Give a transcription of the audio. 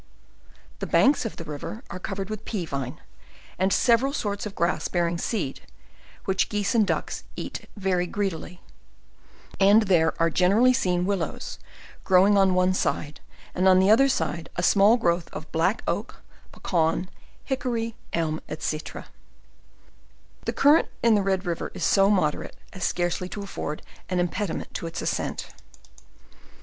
The banks of the rivex are covered with pea vine, and several sons of grass bearing seed, which geese and ducks eat very greedily;, and there are generally seen willows growing on one side, and on the other a small growth of black oak, paccawn, hickory, elm, &c. The current in the Red river is so moderate, as scarcely to afford an imped iment to its ascent.